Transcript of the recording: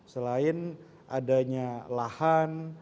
selain adanya lahan